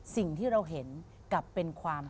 สิ่งที่เราเห็นกลับเป็นความ